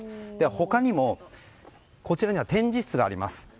他にも、こちらには展示室があります。